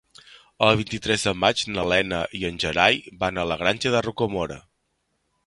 El vint-i-tres de maig na Lena i en Gerai van a la Granja de Rocamora.